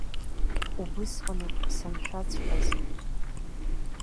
Убысҟаноуп саншәаҵәҟаз.